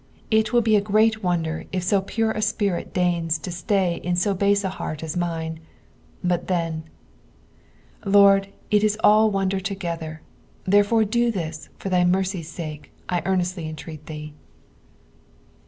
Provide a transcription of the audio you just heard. It will be a (irca' wonder if BO pure a spirit doig na to slay in bo biise a heart as mine ; but then. Lord, it is all wonder together, therefore do this, for thy mercy's aake, I earnestly entreat thee. 12.